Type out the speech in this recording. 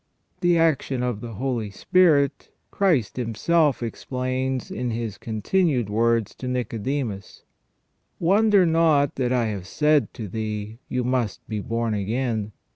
The action of the Holy Spirit Christ Himself explains in His continued words to Nicodemus: "Wonder not that I said to thee, you must be born again.